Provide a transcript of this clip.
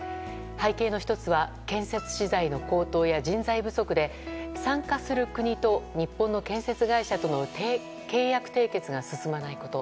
背景の１つは建設資材の高騰や人材不足で参加する国と日本の建設会社との契約締結が進まないこと。